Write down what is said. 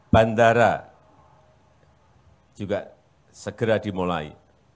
bandara juga segera dimulai